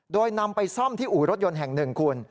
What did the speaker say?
โดยนำไปซ่อมที่อู่รถยนต์แห่งหนึ่งคุณ